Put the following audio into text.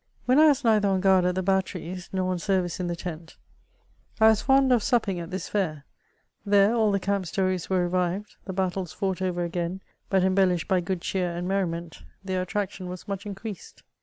When I was neither on guard at the batteries, nor on ser vice in the tent, I was fond of supping at this fair ; there all the camp stones were revived, the battles fought over again ; but embellished by good cheer and merriment, their attraction was much increased.